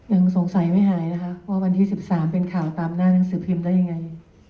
ยังสงสัยไม่หายนะคะว่าวันที่๑๓เป็นข่าวตามหน้าหนังสือพิมพ์ได้ยังไง